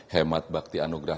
hemat bakti anugrah